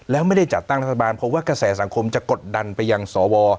แล้วไม่ได้จัดตั้งรัฐบาลเพราะว่ากระแสสังคมจะกดดันไปยังสว